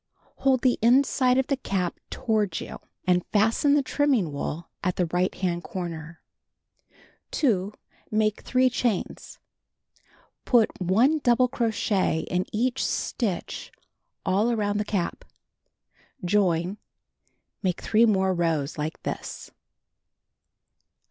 Hold the inside of the cap toward you, and fasten the trinnning wool at the right hand corner. 2. Make 3 chains. Put 1 double crochet in each stitch all around the cap. Join. Make 3 more rows like this.